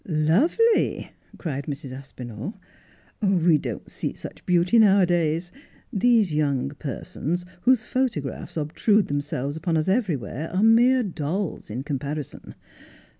' Lovely,' cried Mrs. Aspinall, 'we don't see such beauty now a days. These young persons whose photographs obtrude them selves upon us everywhere are mere dolls in comparison.